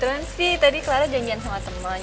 kebetulan sih tadi kelara janjian sama temen